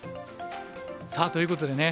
さあということでね